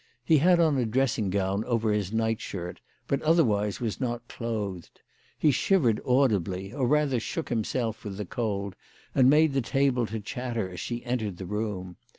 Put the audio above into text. He had on a dressing gown over his night shirt, but otherwise was not clothed. He shivered audibly, or rather shook himself with the cold, and made the table to chatter as she entered the room.